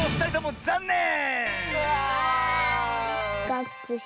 がっくし。